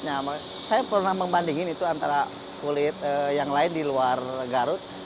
dengan jaket kulitnya saya pernah membandingkan itu antara kulit yang lain di luar garut